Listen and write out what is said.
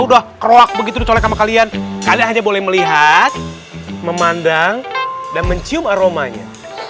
udah croak begitu colek sama kalian kalian aja boleh melihat memandang dan mencium aromanya